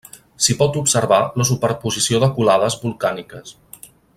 S'hi pot observar la superposició de colades volcàniques.